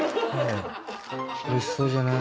おいしそうじゃない？